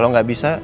kalau nggak bisa